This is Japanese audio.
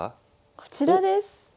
こちらです。